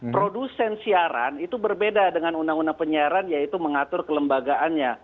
produsen siaran itu berbeda dengan undang undang penyiaran yaitu mengatur kelembagaannya